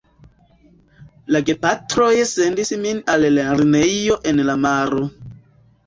La gepatroj sendis min al lernejo en la maro.